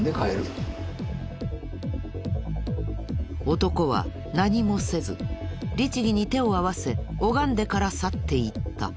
男は何もせず律義に手を合わせ拝んでから去っていった。